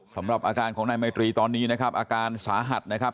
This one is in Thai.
สำหรับอาการของนายไมตรีตอนนี้นะครับอาการสาหัสนะครับ